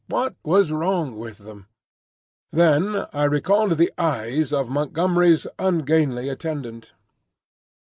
What was wrong with them? Then I recalled the eyes of Montgomery's ungainly attendant.